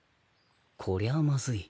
こりゃまずい